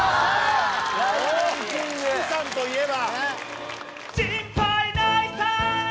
四季さんといえば。